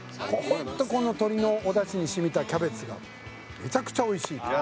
「本当この鶏のおだしに染みたキャベツがめちゃくちゃおいしい」